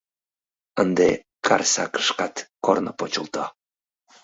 Ынде Карсакышкат корно почылто.